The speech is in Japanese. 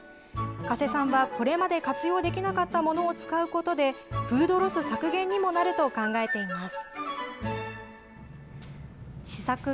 加瀬さんは、これまで活用できなかったものを使うことで、フードロス削減にもなると考えています。